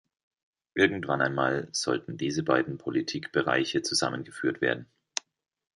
Irgendwann einmal sollten diese beiden Politikbereiche zusammengeführt werden.